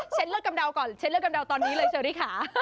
เลือดกำเดาก่อนเช็ดเลือดกำเดาตอนนี้เลยเชอรี่ค่ะ